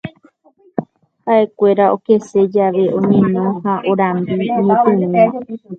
Haʼekuéra okese jave oñeno ha orambi ñepyrũma.